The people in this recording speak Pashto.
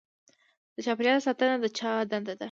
د چاپیریال ساتنه د چا دنده ده؟